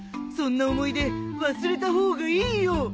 そんな思い出忘れた方がいいよ。